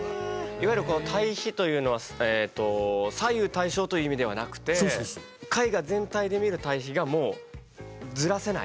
いわゆるこの対比というのは左右対称という意味ではなくて絵画全体で見る対比がもうずらせない？